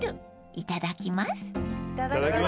いただきます。